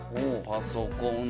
パソコン。